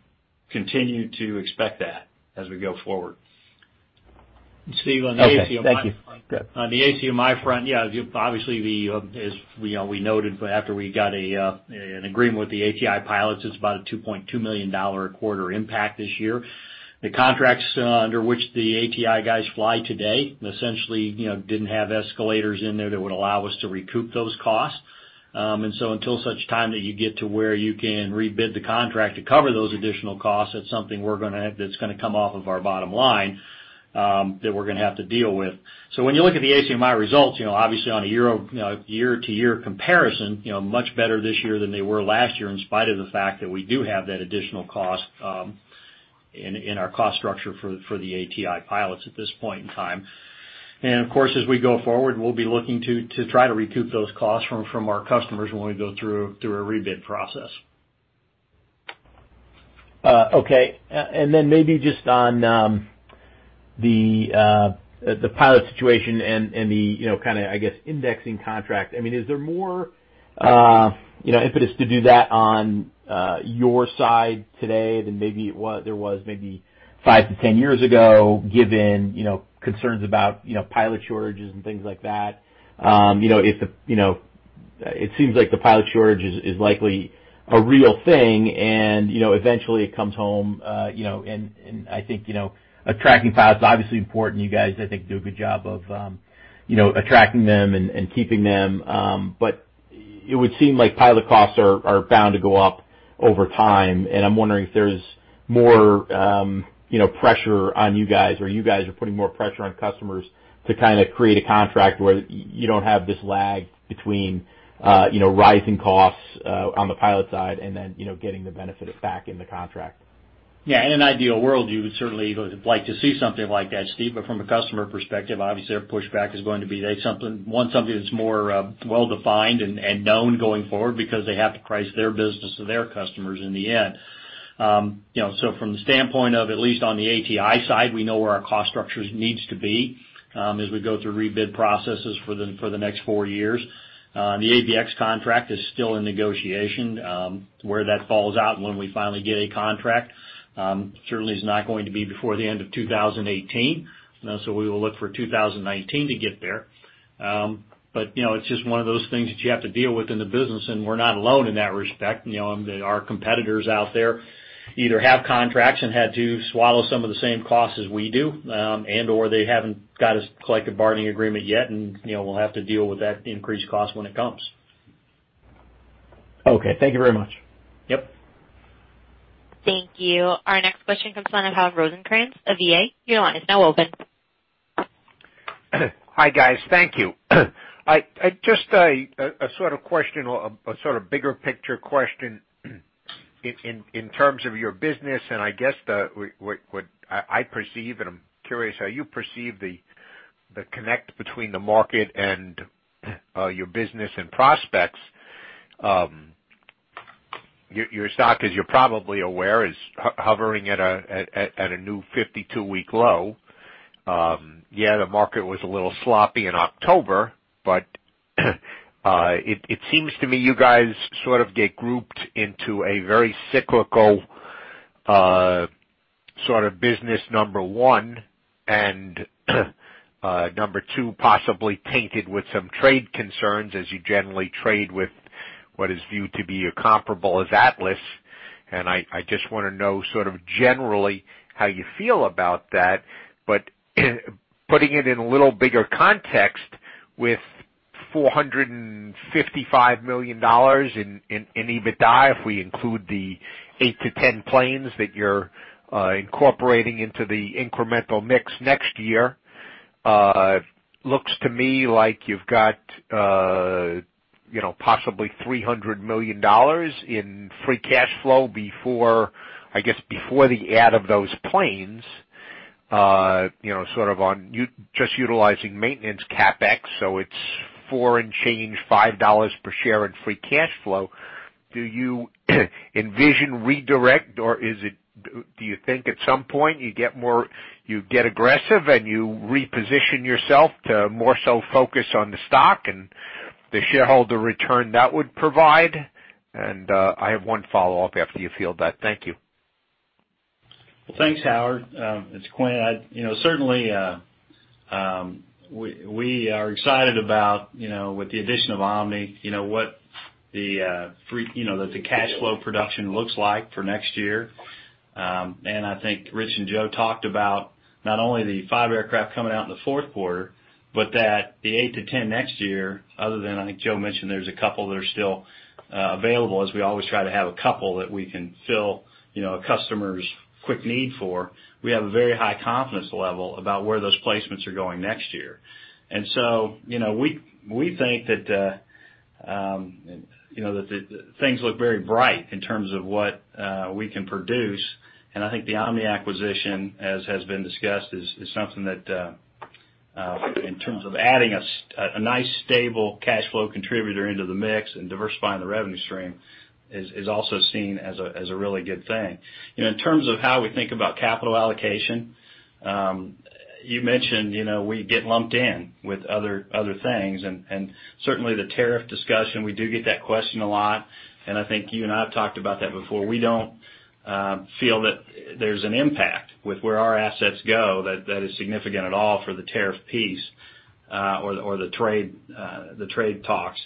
continue to expect that as we go forward. Okay. Thank you. On the ACMI front, yeah. Obviously, as we noted after we got an agreement with the ATI pilots, it's about a $2.2 million a quarter impact this year. The contracts under which the ATI guys fly today, essentially, didn't have escalators in there that would allow us to recoup those costs. Until such time that you get to where you can re-bid the contract to cover those additional costs, that's something that's going to come off of our bottom line, that we're going to have to deal with. When you look at the ACMI results, obviously on a year-over-year comparison, much better this year than they were last year, in spite of the fact that we do have that additional cost in our cost structure for the ATI pilots at this point in time. Of course, as we go forward, we'll be looking to try to recoup those costs from our customers when we go through a re-bid process. Okay. Maybe just on the pilot situation and the, kind of, I guess, indexing contract. Is there more impetus to do that on your side today than maybe there was maybe 5 to 10 years ago, given concerns about pilot shortages and things like that? It seems like the pilot shortage is likely a real thing, and eventually it comes home, and I think, attracting pilots is obviously important. You guys, I think, do a good job of attracting them and keeping them. It would seem like pilot costs are bound to go up over time, and I'm wondering if there's more pressure on you guys, or you guys are putting more pressure on customers to kind of create a contract where you don't have this lag between rising costs on the pilot side and then getting the benefit back in the contract. Yeah. In an ideal world, you would certainly like to see something like that, Stephen. From a customer perspective, obviously, their pushback is going to be they want something that's more well-defined and known going forward because they have to price their business to their customers in the end. From the standpoint of at least on the ATI side, we know where our cost structures needs to be as we go through re-bid processes for the next four years. The ABX contract is still in negotiation. Where that falls out and when we finally get a contract, certainly is not going to be before the end of 2018. We will look for 2019 to get there. It's just one of those things that you have to deal with in the business, and we're not alone in that respect. There are competitors out there either have contracts and had to swallow some of the same costs as we do, and/or they haven't got a collective bargaining agreement yet, and we'll have to deal with that increased cost when it comes. Okay. Thank you very much. Yep. Thank you. Our next question comes from Howard Rosencrans of Value Advisory, LLC. Your line is now open. Hi guys. Thank you. Just a sort of bigger picture question in terms of your business, and I guess what I perceive, and I'm curious how you perceive the connect between the market and your business and prospects. Your stock, as you're probably aware, is hovering at a new 52-week low. Yeah, the market was a little sloppy in October, but it seems to me you guys sort of get grouped into a very cyclical sort of business, number one, and number two, possibly tainted with some trade concerns as you generally trade with what is viewed to be your comparable as Atlas, and I just want to know sort of generally how you feel about that. Putting it in a little bigger context with $455 million in EBITDA, if we include the eight to 10 planes that you're incorporating into the incremental mix next year, looks to me like you've got possibly $300 million in free cash flow, I guess, before the add of those planes, sort of on just utilizing maintenance CapEx, so it's four and change, $5 per share in free cash flow. Do you envision redirect, or do you think at some point you get aggressive and you reposition yourself to more so focus on the stock and the shareholder return that would provide? I have one follow-up after you field that. Thank you. Well, thanks, Howard. It's Quint. Certainly, we are excited about, with the addition of Omni, what the cash flow production looks like for next year. I think Rich and Joe talked about not only the five aircraft coming out in the fourth quarter, but that the eight to 10 next year, other than, I think Joe mentioned there's a couple that are still available as we always try to have a couple that we can fill a customer's quick need for. We have a very high confidence level about where those placements are going next year. We think that things look very bright in terms of what we can produce, and I think the Omni acquisition, as has been discussed, is something that, in terms of adding a nice stable cash flow contributor into the mix and diversifying the revenue stream, is also seen as a really good thing. In terms of how we think about capital allocation, you mentioned we get lumped in with other things, and certainly the tariff discussion, we do get that question a lot, and I think you and I have talked about that before. We don't feel that there's an impact with where our assets go that is significant at all for the tariff piece, or the trade talks.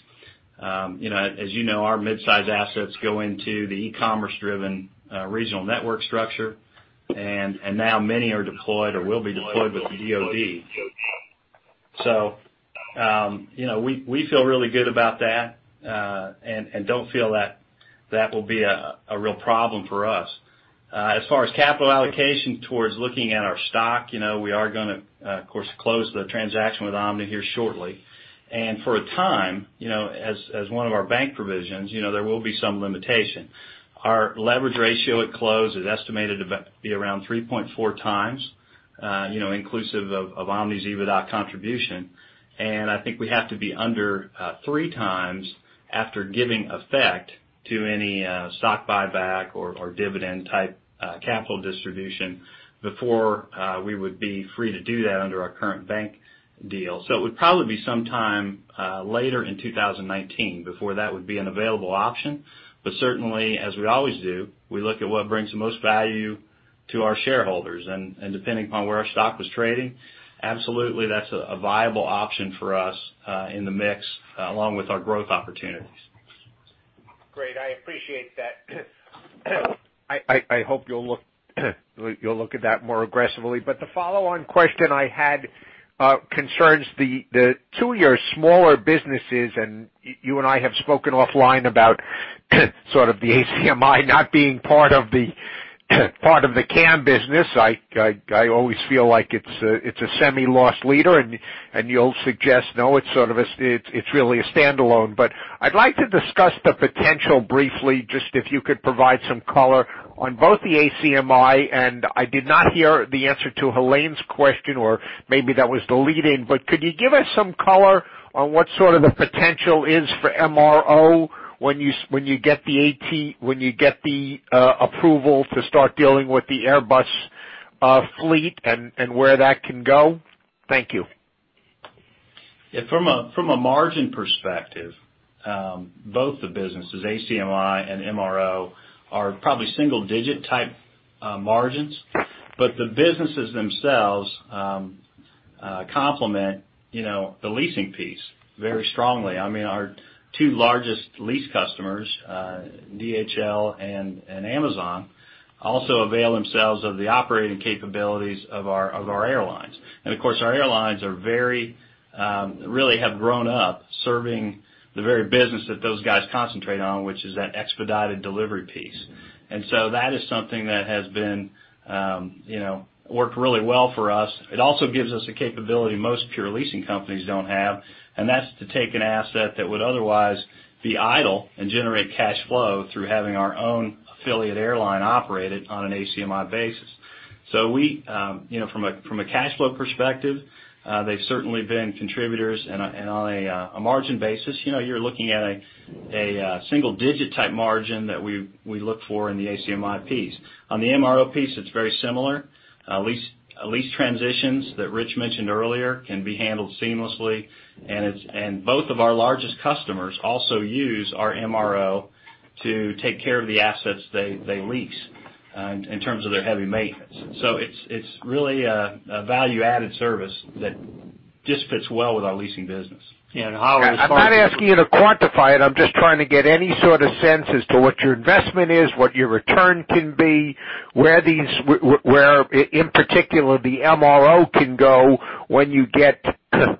As you know, our mid-size assets go into the e-commerce driven regional network structure, and now many are deployed or will be deployed with the DoD. We feel really good about that, and don't feel that will be a real problem for us. As far as capital allocation towards looking at our stock, we are going to, of course, close the transaction with Omni here shortly. For a time, as one of our bank provisions, there will be some limitation. Our leverage ratio at close is estimated to be around 3.4 times, inclusive of Omni's EBITDA contribution. I think we have to be under three times after giving effect to any stock buyback or dividend type capital distribution before we would be free to do that under our current bank deal. It would probably be sometime later in 2019 before that would be an available option. Certainly, as we always do, we look at what brings the most value to our shareholders. Depending upon where our stock was trading, absolutely that's a viable option for us in the mix along with our growth opportunities. Great. I appreciate that. I hope you'll look at that more aggressively. The follow-on question I had concerns the two of your smaller businesses, and you and I have spoken offline about sort of the ACMI not being part of the CAM business. I always feel like it's a semi loss leader, and you'll suggest, no, it's really a standalone. I'd like to discuss the potential briefly, just if you could provide some color on both the ACMI, and I did not hear the answer to Helane's question, or maybe that was the lead in, but could you give us some color on what sort of the potential is for MRO when you get the approval to start dealing with the Airbus fleet and where that can go? Thank you. Yeah, from a margin perspective, both the businesses, ACMI and MRO, are probably single-digit type margins, the businesses themselves complement the leasing piece very strongly. I mean, our two largest lease customers, DHL and Amazon, also avail themselves of the operating capabilities of our airlines. Of course, our airlines are really have grown up serving the very business that those guys concentrate on, which is that expedited delivery piece. That is something that has worked really well for us. It also gives us a capability most pure leasing companies don't have, and that's to take an asset that would otherwise be idle and generate cash flow through having our own affiliate airline operate it on an ACMI basis. From a cash flow perspective, they've certainly been contributors. On a margin basis, you're looking at a single-digit type margin that we look for in the ACMI piece. On the MRO piece, it's very similar. Lease transitions that Rich mentioned earlier can be handled seamlessly, both of our largest customers also use our MRO to take care of the assets they lease in terms of their heavy maintenance. It's really a value-added service that just fits well with our leasing business. Howard, as far as I'm not asking you to quantify it, I'm just trying to get any sort of sense as to what your investment is, what your return can be, where, in particular, the MRO can go when you get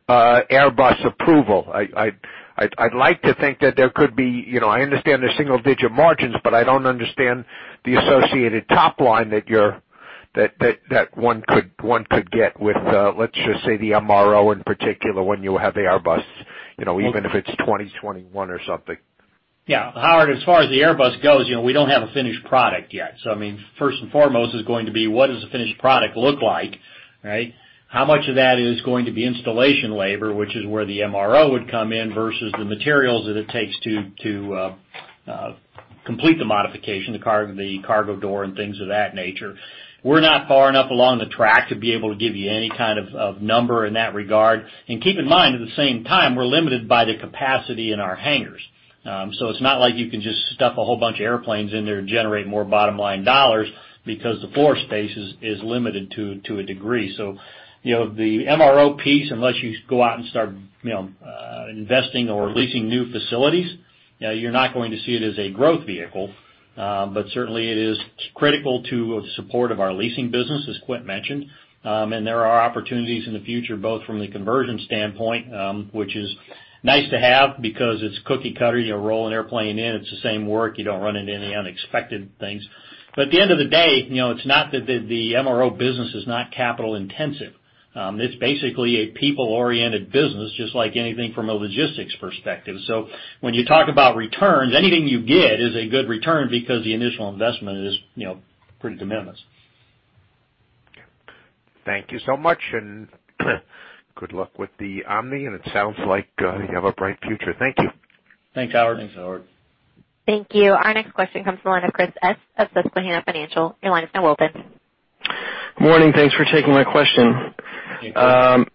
Airbus approval. I'd like to think that there could be I understand the single-digit margins, but I don't understand the associated top line that one could get with, let's just say, the MRO in particular, when you have Airbus, even if it's 2021 or something. Howard, as far as the Airbus goes, we don't have a finished product yet. First and foremost is going to be what does the finished product look like, right? How much of that is going to be installation labor, which is where the MRO would come in, versus the materials that it takes to complete the modification, the cargo door and things of that nature. We're not far enough along the track to be able to give you any kind of number in that regard. Keep in mind, at the same time, we're limited by the capacity in our hangars. It's not like you can just stuff a whole bunch of airplanes in there and generate more bottom-line dollars because the floor space is limited to a degree. The MRO piece, unless you go out and start investing or leasing new facilities, you're not going to see it as a growth vehicle. Certainly, it is critical to the support of our leasing business, as Quint mentioned. There are opportunities in the future, both from the conversion standpoint, which is nice to have because it's cookie cutter. You roll an airplane in, it's the same work. You don't run into any unexpected things. At the end of the day, it's not that the MRO business is not capital intensive. It's basically a people-oriented business, just like anything from a logistics perspective. When you talk about returns, anything you get is a good return because the initial investment is pretty tremendous. Thank you so much and good luck with the Omni. It sounds like you have a bright future. Thank you. Thanks, Howard. Thanks, Howard. Thank you. Our next question comes from the line of Chris S. of Susquehanna Financial. Your line is now open. Morning. Thanks for taking my question. Thank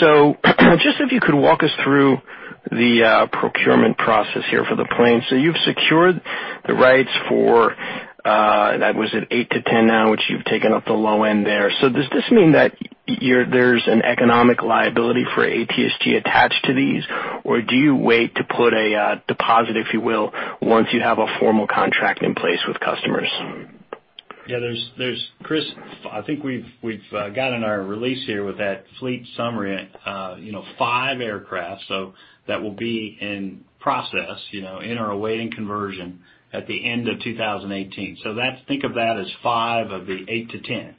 you. Just if you could walk us through the procurement process here for the plane. You've secured the rights for, was it eight to 10 now, which you've taken off the low end there. Does this mean that there's an economic liability for ATSG attached to these, or do you wait to put a deposit, if you will, once you have a formal contract in place with customers? Yeah. Chris, I think we've got in our release here with that fleet summary, five aircraft, so that will be in process, in or awaiting conversion at the end of 2018. Think of that as five of the eight to 10.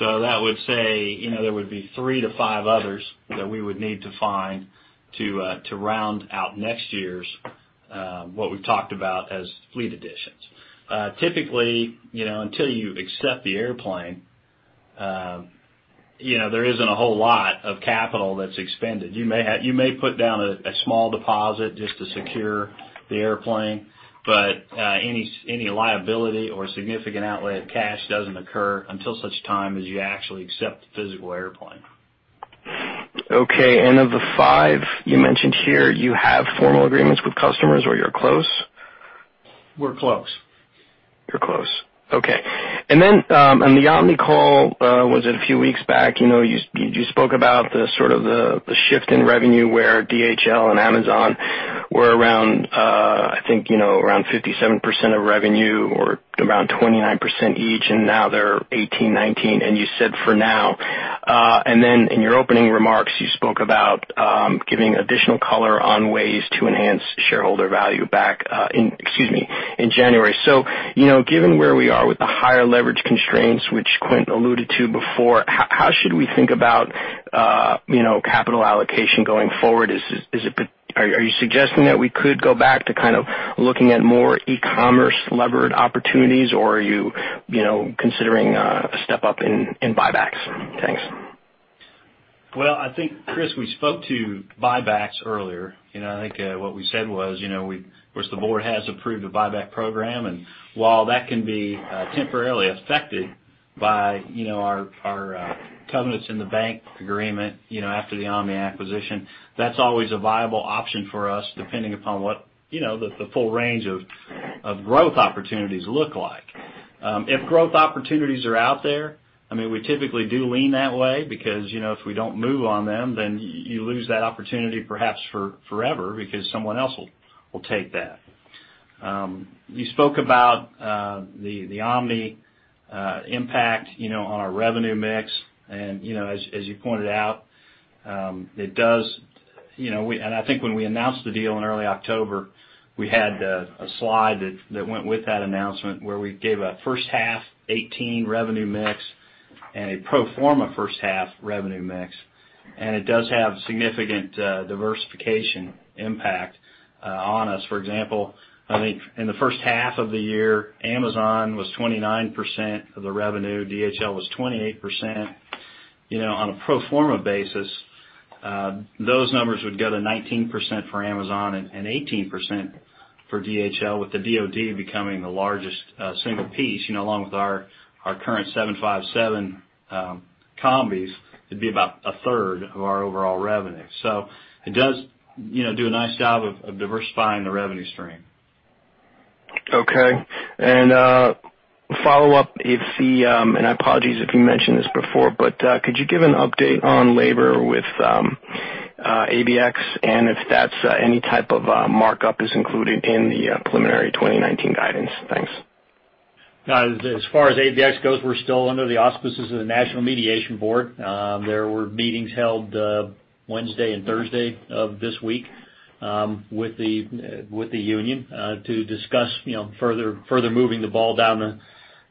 That would say there would be three to five others that we would need to find to round out next year's, what we've talked about as fleet additions. Typically, until you accept the airplane, there isn't a whole lot of capital that's expended. You may put down a small deposit just to secure the airplane, but any liability or significant outlay of cash doesn't occur until such time as you actually accept the physical airplane. Okay. Of the five you mentioned here, you have formal agreements with customers, or you're close? We're close. You're close. Okay. On the Omni call, was it a few weeks back? You spoke about the sort of the shift in revenue where DHL and Amazon were around, I think, 57% of revenue or around 29% each, and now they're 18%, 19%, and you said for now. In your opening remarks, you spoke about giving additional color on ways to enhance shareholder value back in, excuse me, in January. Given where we are with the higher leverage constraints, which Quint alluded to before, how should we think about capital allocation going forward? Are you suggesting that we could go back to kind of looking at more e-commerce levered opportunities, or are you considering a step-up in buybacks? Thanks. Well, I think, Chris, we spoke to buybacks earlier. I think what we said was, of course, the board has approved a buyback program, and while that can be temporarily affected by our covenants in the bank agreement after the Omni acquisition, that's always a viable option for us, depending upon what the full range of growth opportunities look like. If growth opportunities are out there, we typically do lean that way because if we don't move on them, then you lose that opportunity perhaps forever because someone else will take that. You spoke about the Omni impact on our revenue mix, and as you pointed out, and I think when we announced the deal in early October, we had a slide that went with that announcement where we gave a first half 2018 revenue mix and a pro forma first half revenue mix, and it does have significant diversification impact on us. For example, I think in the first half of the year, Amazon was 29% of the revenue, DHL was 28%. On a pro forma basis, those numbers would go to 19% for Amazon and 18% for DHL, with the DoD becoming the largest single piece along with our current 757 combis, it would be about a third of our overall revenue. It does do a nice job of diversifying the revenue stream. Okay. A follow-up, and I apologize if you mentioned this before, but could you give an update on labor with ABX and if any type of markup is included in the preliminary 2019 guidance? Thanks. As far as ABX goes, we are still under the auspices of the National Mediation Board. There were meetings held Wednesday and Thursday of this week with the union to discuss further moving the ball down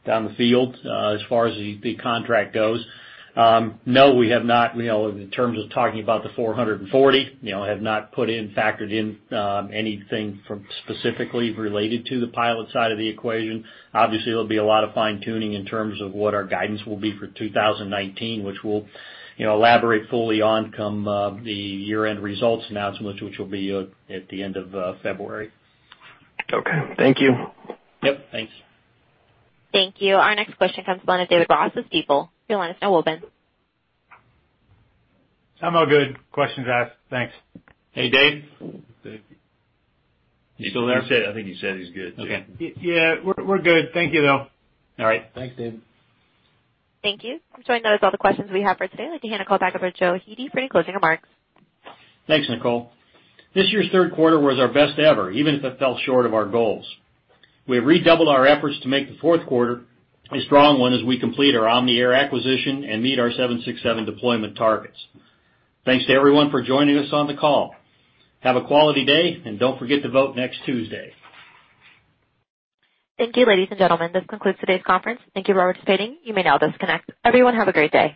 the field as far as the contract goes. No, we have not, in terms of talking about the 440, have not factored in anything specifically related to the pilot side of the equation. Obviously, there will be a lot of fine-tuning in terms of what our guidance will be for 2019, which we will elaborate fully on come the year-end results announcement, which will be at the end of February. Okay. Thank you. Yep, thanks. Thank you. Our next question comes the line of David Ross with Stifel. Your line is now open. I'm all good. Questions asked. Thanks. Hey, Dave? You still there? I think he said he's good. Okay. Yeah, we're good. Thank you, though. All right. Thanks, David. Thank you. I'm showing those are all the questions we have for today. I'd like to hand the call back over to Joe Hete for any closing remarks. Thanks, Nicole. This year's third quarter was our best ever, even if it fell short of our goals. We have redoubled our efforts to make the fourth quarter a strong one as we complete our Omni Air acquisition and meet our 767 deployment targets. Thanks to everyone for joining us on the call. Have a quality day, and don't forget to vote next Tuesday. Thank you, ladies and gentlemen. This concludes today's conference. Thank you for participating. You may now disconnect. Everyone, have a great day